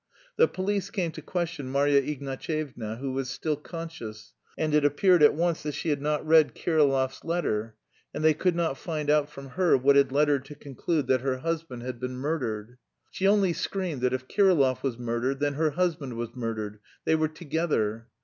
The police came to question Marya Ignatyevna, who was still conscious, and it appeared at once that she had not read Kirillov's letter, and they could not find out from her what had led her to conclude that her husband had been murdered. She only screamed that if Kirillov was murdered, then her husband was murdered, they were together.